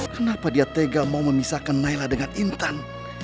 kenapa dia tega mau memisahkan naila dengan intan